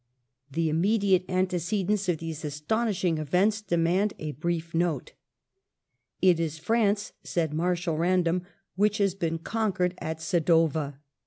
The immediate antecedents of these astound ing events demand a brief note. It is France," said Mai*shal Random, '* which has been conquered at Sadowa."